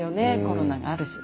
コロナがあるし。